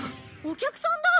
お客さんだ！